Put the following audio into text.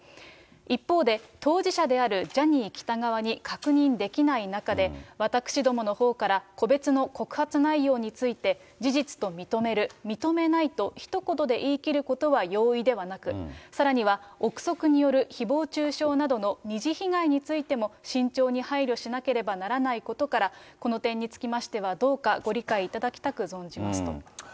一方で、当事者であるジャニー喜多川に確認できない中で、私どものほうから個別の告発内容について、事実と認める、認めないとひと言で言い切ることは容易ではなく、さらには臆測によるひぼう中傷などの二次被害についても慎重に配慮しなければならないことから、この点につきましては、どうかご理解いただきたく存じますと。